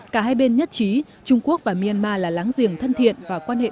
cả hai bên nhất trí trung quốc và myanmar là láng giềng thân thiện và quan hệ đối tác